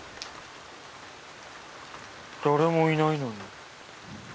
誰もいないのに。